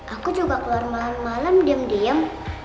aku coba keluar malam malam diam diam